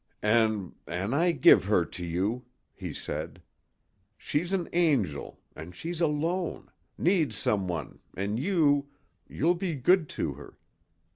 "An' an' I give her to you," he said. "She's an angel, and she's alone needs some one an' you you'll be good to her.